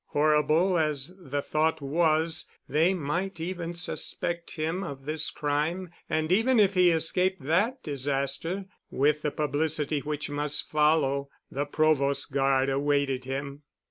Horrible as the thought was, they might even suspect him of this crime and even if he escaped that disaster, with the publicity which must follow, the Provost Guard awaited him.